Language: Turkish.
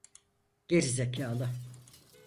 Geri zekalı!